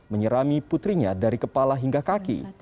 menyerami putrinya dari kepala hingga kaki